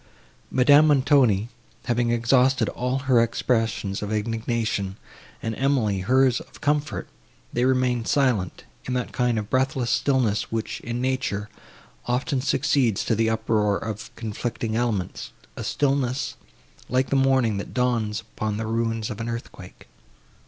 Madame Montoni, having exhausted all her expressions of indignation, and Emily, hers of comfort, they remained silent, in that kind of breathless stillness, which, in nature, often succeeds to the uproar of conflicting elements; a stillness, like the morning, that dawns upon the ruins of an earthquake.